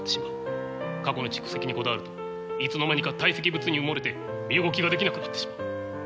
過去の蓄積にこだわるといつの間にか堆積物に埋もれて身動きができなくなってしまう。